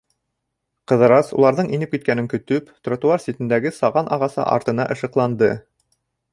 Ҡыҙырас, уларҙың инеп киткәнен көтөп, тротуар ситендәге саған ағасы артына ышыҡланды.